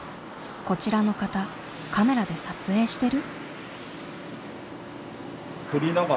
こちらの方カメラで撮影してる？